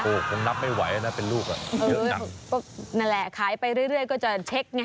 โอ้โหคงนับไม่ไหวนะเป็นลูกอ่ะเยอะหนังนั่นแหละขายไปเรื่อยเรื่อยก็จะเช็คไง